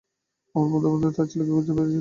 আমার বন্ধু তার ছেলেকে খুঁজতে গিয়েছিলো।